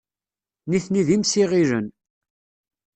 Nitni d imsiɣilen.